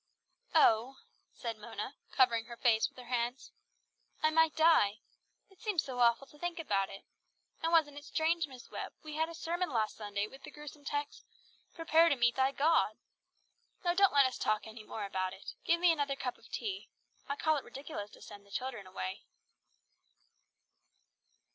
"Oh," said Mona, covering her face with her hands, "I might die. It is so awful to think about it. And wasn't it strange, Miss Webb, we had a sermon last Sunday with the gruesome text: 'Prepare to meet thy God.' Now don't let us talk any more about it. Give me another cup of tea. I call it ridiculous to send the children away."